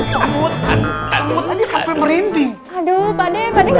semut semut ini sampai merinding aduh pak nih enggak banget